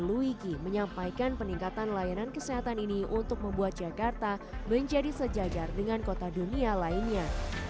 luigi menyampaikan peningkatan layanan kesehatan ini untuk membuat jakarta menjadi sejajar dengan kota dunia lainnya